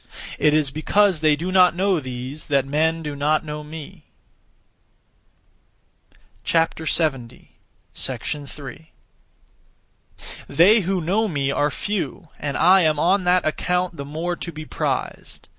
It is because they do not know these, that men do not know me. 3. They who know me are few, and I am on that account (the more) to be prized.